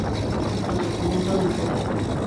Los documentos del poder.